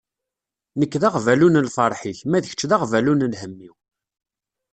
Nekk d aɣbalu n lferḥ-ik, ma d kečč d aɣbalu n lhemm-iw.